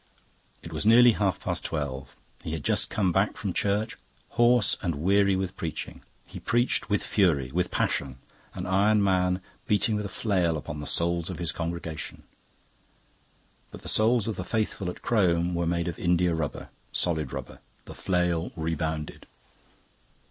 It was nearly half past twelve. He had just come back from church, hoarse and weary with preaching. He preached with fury, with passion, an iron man beating with a flail upon the souls of his congregation. But the souls of the faithful at Crome were made of india rubber, solid rubber; the flail rebounded.